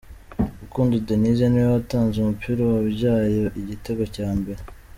Rukundo Denis ni we watanze umupira wabyaye igitego cya mbere.